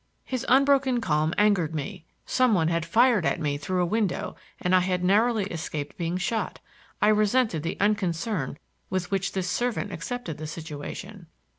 His unbroken calm angered me. Some one had fired at me through a window and I had narrowly escaped being shot. I resented the unconcern with which this servant accepted the situation.